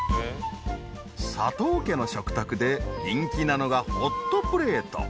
佐藤家の食卓で人気なのがホットプレート。